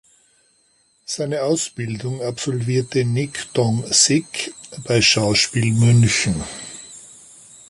Seine Ausbildung absolvierte Nick Dong-Sik bei Schauspiel München.